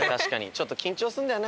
ちょっと緊張するんだよね